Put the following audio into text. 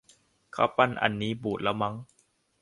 ข้าวปั้นอันนี้บูดแล้วมั้ง